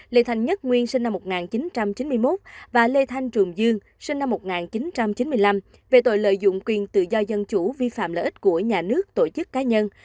lê thanh nhất nguyên sinh năm một nghìn chín trăm chín mươi một và lê thanh trường dương sinh năm một nghìn chín trăm chín mươi năm về tội lợi dụng quyền tự do dân chủ vi phạm lợi ích của nhà nước tổ chức cá nhân